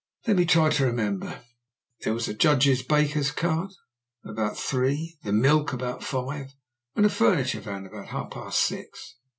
"Let me try to remember. There was Judge's baker's cart, about three, the milk about five, and a furniture van about half past six."